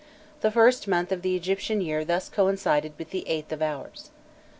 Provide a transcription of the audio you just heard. The first month of the Egyptian year thus coincided with the eighth of ours.